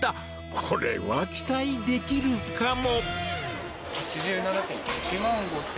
これは期待できるかも。